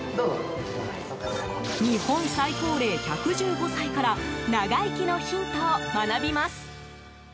日本最高齢、１１５歳から長生きのヒントを学びます。